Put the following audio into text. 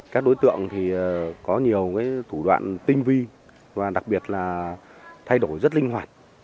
các đối tượng thì có nhiều thủ đoạn tinh vi và đặc biệt là thay đổi rất linh hoạt